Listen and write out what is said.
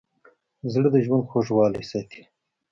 زړه د ژوند خوږوالی ساتي.